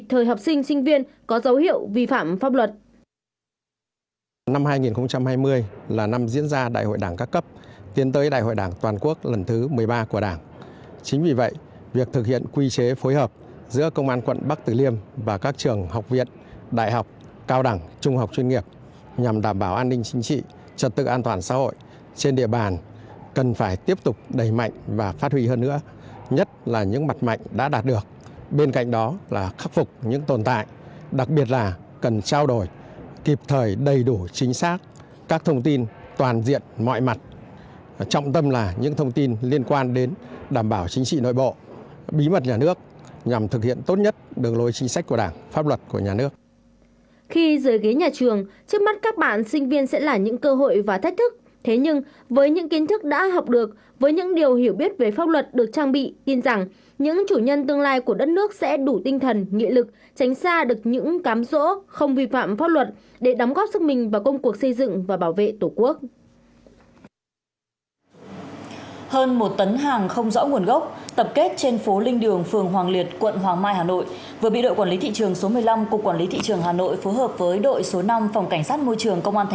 hơn một tấn hàng không rõ nguồn gốc tập kết trên phố linh đường phường hoàng liệt quận hoàng mai hà nội vừa bị đội quản lý thị trường số một mươi năm cục quản lý thị trường hà nội phối hợp với đội số năm phòng cảnh sát môi trường công an tp hà nội phát hiện và bắt giữ